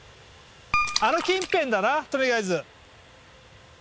あの近辺だな取りあえず。